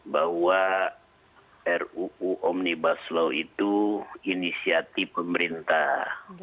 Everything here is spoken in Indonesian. bahwa ruu omnibus law itu inisiatif pemerintah